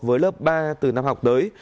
với lớp ba từ năm học tới